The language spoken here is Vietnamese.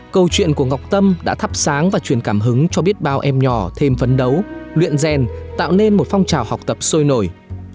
câu chuyện của ngọc tâm đã thắp sáng và truyền cảm hứng cho biết bao em nhỏ thêm phấn đấu luyện rèn tạo nên một phong trào học tập sôi nổi